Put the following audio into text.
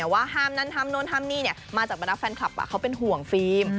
ว่าห้ามนั้นทำโน้นทำนี่มาจากบรรดาแฟนคลับเขาเป็นห่วงฟิล์ม